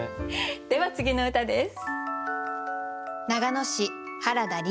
では次の歌です。